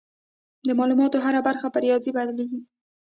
د معلوماتو هره برخه په ریاضي بدلېږي.